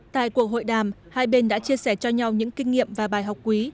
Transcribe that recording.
tại cuộc hội đàm hai bên đã chia sẻ cho nhau những kinh nghiệm và bài học quý